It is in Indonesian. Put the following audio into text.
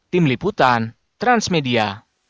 tim liputan transmedia